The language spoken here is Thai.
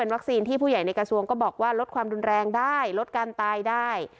ที่ผู้ใหญ่ในกระทรวงก็บอกว่าลดความรุนแรงได้ลดการตายได้